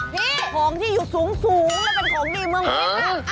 นี่ของที่อยู่สูงและเป็นของดีเมืองเพชรน่ะ